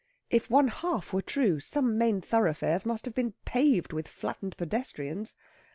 If one half were true, some main thoroughfares must have been paved with flattened pedestrians.